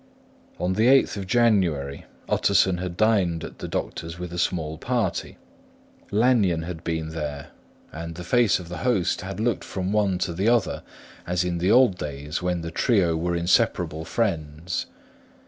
On the 8th of January Utterson had dined at the doctor's with a small party; Lanyon had been there; and the face of the host had looked from one to the other as in the old days when the trio were inseparable friends.